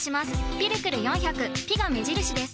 「ピルクル４００」「ピ」が目印です。